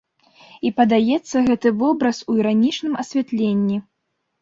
І падаецца гэты вобраз у іранічным асвятленні.